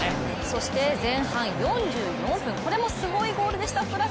そして前半４４分、これもすごいゴールでした。